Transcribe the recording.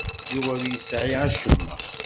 Yuba ur yesɛi acemma.